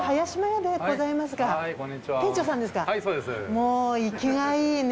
もう生きがいいね